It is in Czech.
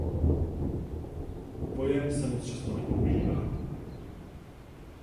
Pojem se moc často nepoužívá.